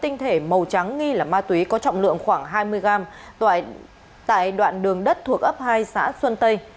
tinh thể màu trắng nghi là ma túy có trọng lượng khoảng hai mươi gram tại đoạn đường đất thuộc ấp hai xã xuân tây